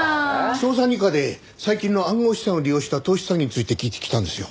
捜査二課で最近の暗号資産を利用した投資詐欺について聞いてきたんですよ。